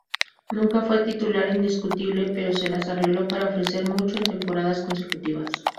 Nunca fue titular indiscutible, pero se las arregló para ofrecer mucho en temporadas consecutivas.